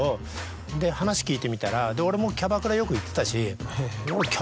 で話聞いてみたら俺もキャバクラよく行ってたし。